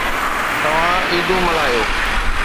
توهان عيدون ملهايو